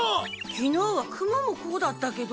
昨日はクマもこうだったけど？